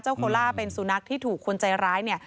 โคล่าเป็นสุนัขที่ถูกคนใจร้ายเนี่ย